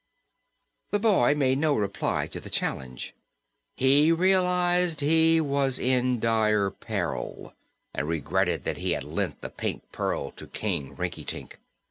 The boy made no reply to the challenge. He realized he was in dire peril and regretted that he had lent the Pink Pearl to King Rinkitink.